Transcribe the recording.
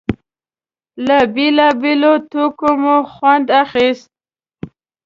له بېلابېلو ټوکو مو خوند اخيست.